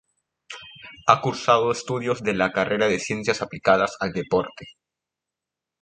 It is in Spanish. Ha cursado estudios de la carrera de Ciencias Aplicadas al Deporte.